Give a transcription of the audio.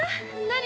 何？